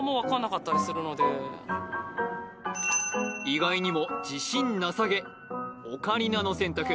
意外にも自信なさげオカリナの選択